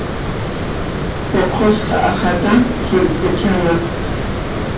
Puqusqa aqhata hillp'uchana.